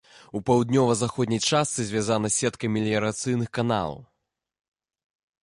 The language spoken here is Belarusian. У паўднёва-заходняй частцы звязана з сеткай меліярацыйных каналаў.